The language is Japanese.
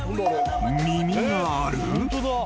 耳がある？］